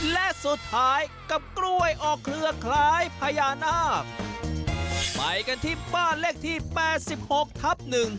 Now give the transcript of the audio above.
และสุดท้ายกับกล้วยออกเครือคล้ายพญานาคไปกันที่บ้านเลขที่แปดสิบหกทับหนึ่ง